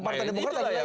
mayoritas itu lah ya